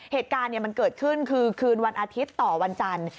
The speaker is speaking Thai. เหตุการณ์มันเกิดขึ้นคือคืนวันอาทิตย์ต่อวันจันทร์